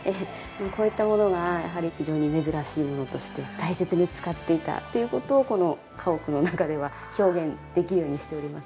こういったものがやはり非常に珍しいものとして大切に使っていたっていう事をこの家屋の中では表現できるようにしております。